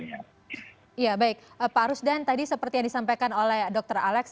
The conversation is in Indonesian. ya baik pak rusdan tadi seperti yang disampaikan oleh dr alex